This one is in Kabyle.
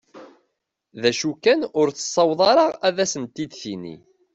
D acu kan ur tessaweḍ ara ad asent-id-tini.